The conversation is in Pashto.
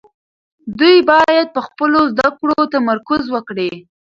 دوی باید په خپلو زده کړو تمرکز وکړي.